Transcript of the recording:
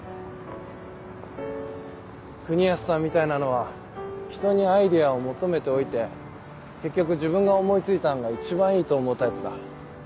国安さんみたいなのはひとにアイデアを求めておいて結局自分が思い付いた案が一番いいと思うタイプだ。